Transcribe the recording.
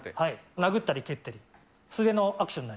殴ったり蹴ったり、へー。